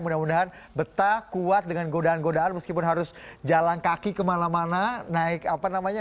mudah mudahan betah kuat dengan godaan godaan meskipun harus jalan kaki kemana mana